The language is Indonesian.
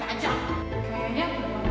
ada ubat aja